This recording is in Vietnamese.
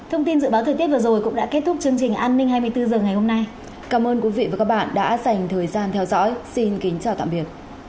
hãy đăng ký kênh để ủng hộ kênh của mình nhé